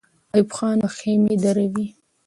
ایوب خان به خېمې دروي.